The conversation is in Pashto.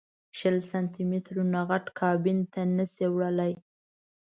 شل سانتي مترو نه غټ کابین ته نه شې وړلی.